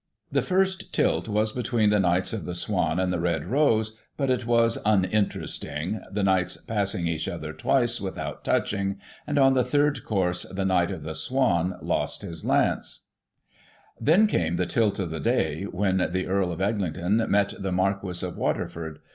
The first tilt was between the Knights of the Swan and the Red Rose, but it was uninteresting, the Knights passing each other twice, without touching, and, on the third course, the Knight of the Swan lost his lance. Digitized by Google 1839] THE EGLINTON TOURNAMENT. 105 Then came the tilt of the day, when the Earl of Eglinton met the Marquis of Waterford.